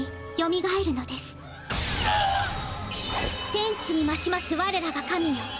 天地にまします我らが神よ。